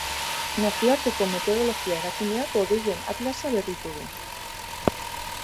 Nazioarteko meteorologia erakundeak hodeien atlasa berritu du.